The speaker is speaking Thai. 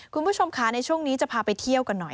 คุณผู้ชมค่ะในช่วงนี้จะพาไปเที่ยวกันหน่อย